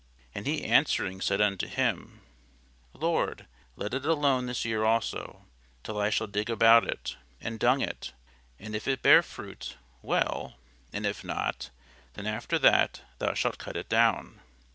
And he answering said unto him, Lord, let it alone this year also, till I shall dig about it, and dung it: and if it bear fruit, well: and if not, then after that thou shalt cut it down.